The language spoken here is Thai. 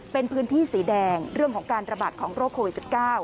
เป็นพื้นที่สีแดงเรื่องของการระบาดของโรคโควิด๑๙